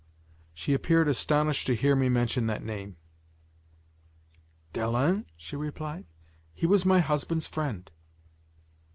She appeared astonished to hear me mention that name. "Dalens?" she replied. "He was my husband's friend."